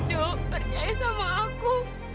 edo percaya sama aku